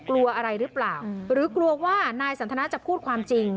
กลัวอะไรหรือเปล่าหรือกลัวว่านายสันทนาจะพูดความจริง